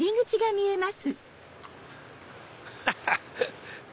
ハハハ！